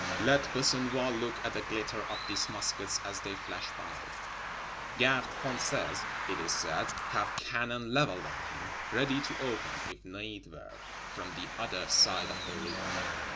Let Besenval look at the glitter of these muskets as they flash by! Gardes Françaises, it is said, have cannon leveled on him; ready to open, if need were, from the other side of the river.